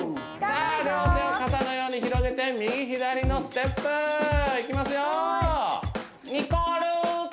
さあ両手を傘のように広げて右左のステップいきますよ